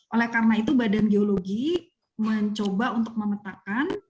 oleh karena itu badan geologi mencoba untuk memetakan